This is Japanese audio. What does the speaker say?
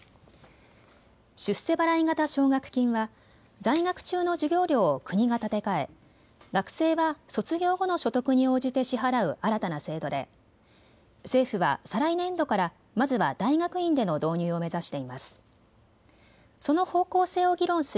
出世払い型奨学金は在学中の授業料を国が立て替え学生は卒業後の所得に応じて支払う新たな制度で政府は再来年度からまずは大学院での導入を目指しています。